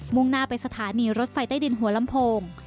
่งหน้าไปสถานีรถไฟใต้ดินหัวลำโพง